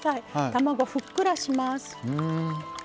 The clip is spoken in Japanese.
卵、ふっくらします。